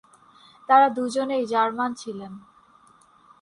তারা দুজনেই জার্মান ছিলেন।